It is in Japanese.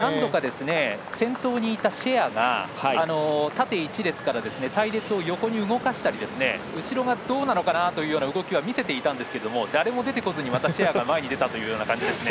あまり協調してローテーションする何度か先頭にいたシェアが縦一列から隊列を横に動かしたり後ろがどうなのかなという動きは見せてきたんですが誰も前に出ずにまたシェアが前に出てきた感じですね。